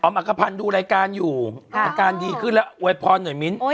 อักภัณฑ์ดูรายการอยู่อาการดีขึ้นแล้วอวยพรหน่อยมิ้น